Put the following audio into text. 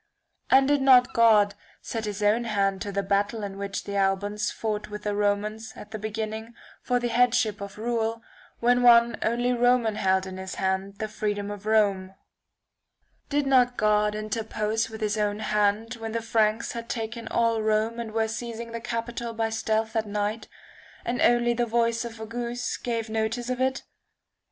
And did not God set his own hand to the battle in which the Albans fought with the Romans, at the beginning, for the headship of rule, when one only Roman held in his hands the [1603 freedom of Rome: Did not God interpose with his own hand when the Franks had taken all Rome and were seizing the capitol by stealth at night, and only the voice of a goose gave notice of it